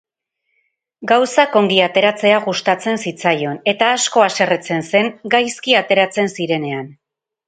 Gauzak ongi ateratzea gustatzen zitzaion eta asko haserretzen zen gaizki ateratzen zirenean.